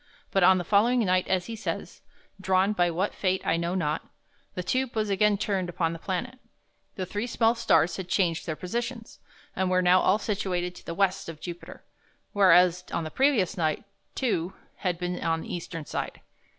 But on the following night, as he says, "drawn by what fate I know not," the tube was again turned upon the planet. The three small stars had changed their positions, and were now all situated to the west of Jupiter, whereas on the previous night two had been on the eastern side.